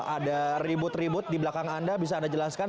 ada ribut ribut di belakang anda bisa anda jelaskan